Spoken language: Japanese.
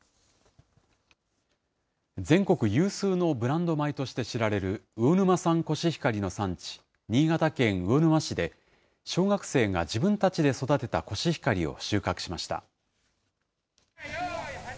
全国有数のブランド米として知られる魚沼産コシヒカリの産地、新潟県魚沼市で、小学生が自分たちで育てたコシヒカリを収穫しました。